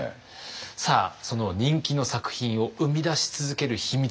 さあその人気の作品を生み出し続ける秘密。